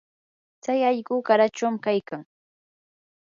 tsay allqu qarachum kaykan.